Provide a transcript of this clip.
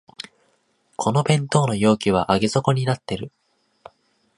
この弁当の容器は上げ底になってる